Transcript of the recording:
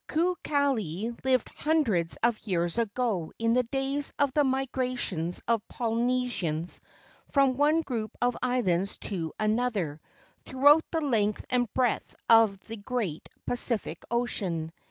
Kukali lived hundreds of years ago in the days of the migrations of Poly¬ nesians from one group of islands to another throughout the length and breadth of the great Pacific Ocean.